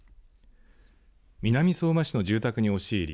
南相馬市の住宅に押し入り